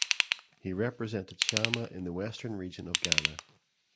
He represented Shama in the Western region of Ghana.